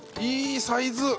いいサイズ！